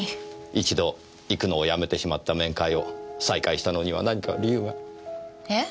一度行くのをやめてしまった面会を再開したのには何か理由が？えっ？